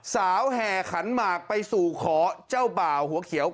แห่ขันหมากไปสู่ขอเจ้าบ่าวหัวเขียว